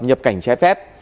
nhập cảnh trái phép